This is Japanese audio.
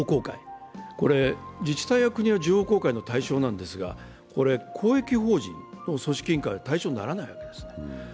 自治体や国は情報公開の対象なんですが、公益法人の組織委員会は対象にならないわけです。